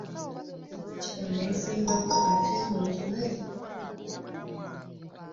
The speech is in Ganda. Lwaki onesibako ate nga okimanyi tetukwatagana?